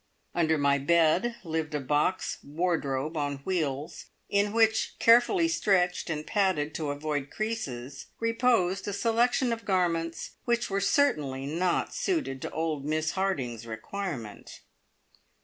Under my bed lived a box wardrobe on wheels, in which, carefully stretched and padded to avoid creases, reposed a selection of garments which were certainly not suited to old Miss Harding's requirement.